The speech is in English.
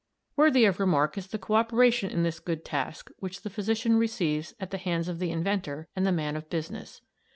Worthy of remark is the co operation in this good task which the physician receives at the hands of the inventor and the man of business.